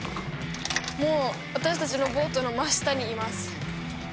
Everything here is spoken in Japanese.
もう私達のボートの真下にいます